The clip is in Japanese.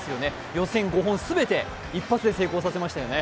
予選５本全て一発で成功させましたよね。